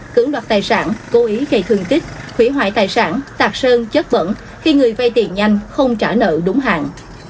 cưỡng đoạt tài sản cố ý gây thương tích hủy hoại tài sản tạc sơn chất bẩn khi người vay tiền nhanh không trả nợ đúng hạn